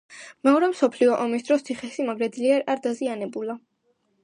მეორე მსოფლიო ომის დროს ციხესიმაგრე ძლიერ არ დაზიანებულა.